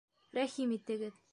Рәхим итегеҙ.